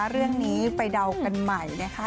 เรื่องนี้ไปเดากันใหม่นะคะ